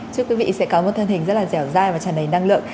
chúc quý vị sẽ có một thân hình rất là dẻo dai và tràn đầy năng lượng